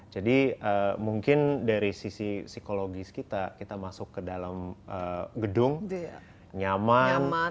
jadi mungkin dari sisi psikologis kita kita masuk ke dalam gedung nyaman